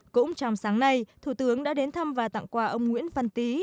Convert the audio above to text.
cũng trong sáng nay thủ tướng đã đến thăm và tặng quà ông nguyễn văn tý